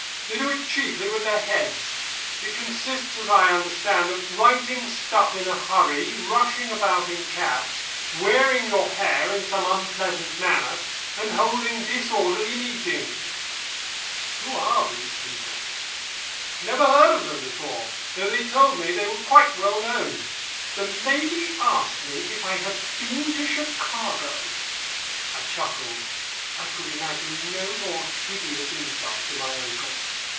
They do it chiefly with their heads. It consists, so I understand, of writing stuff in a hurry, rushing about in cabs, wearing your hair in some unpleasant manner, and holding disorderly meetings." "Who are these people?" "Never heard of them before, though they told me they were quite well known. The lady asked me if I had been to Chicago." I chuckled. I could imagine no more hideous insult to my uncle.